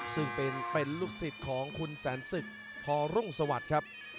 ซึ่งเป็นลูกศิษย์ของคุณแสนศึกพรุ่งสวัสดิ์ครับ